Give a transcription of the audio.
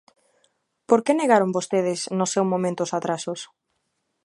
¿Por que negaron vostedes no seu momento os atrasos?